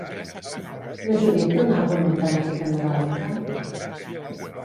La Judit té un àlbum amb temàtica nadalenca?